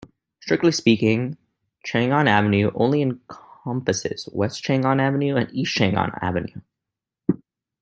Strictly speaking, Chang'an Avenue only encompasses West Chang'an Avenue and East Chang'an Avenue.